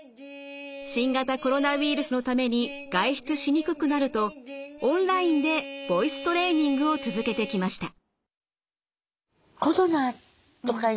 新型コロナウイルスのために外出しにくくなるとオンラインでボイストレーニングを続けてきました。